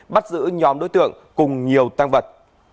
bắt giữ nhóm đối tượng cùng nhiều tăng vật